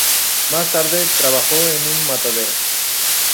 Más tarde, trabajó en un matadero.